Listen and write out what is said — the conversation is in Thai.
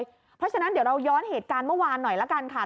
เพราะฉะนั้นเดี๋ยวเราย้อนเหตุการณ์เมื่อวานหน่อยละกันค่ะ